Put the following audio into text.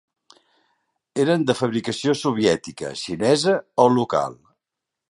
Eren de fabricació soviètica, xinesa o local.